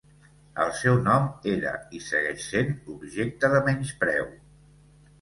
El seu nom era i segueix sent objecte de menyspreu.